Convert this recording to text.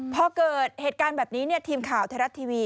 พอเกิดเหตุการณ์แบบนี้ทีมข่าวไทยรัฐทีวี